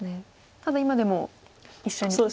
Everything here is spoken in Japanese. ただ今でも一緒に。